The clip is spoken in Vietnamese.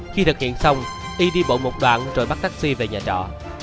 khi thực hiện xong y đi bộ một đoạn rồi bắt taxi về nhà trọ